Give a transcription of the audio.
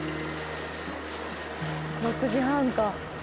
６時半か。